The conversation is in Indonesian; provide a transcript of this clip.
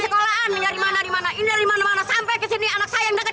sekolahan ini dari mana ini dari mana sampai kesini anak saya yang deket